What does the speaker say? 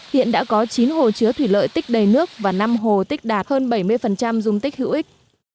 hiện đã có chín hồ chứa thủy lợi tích đầy nước và năm hồ tích đạt hơn bảy mươi dung tích hữu ích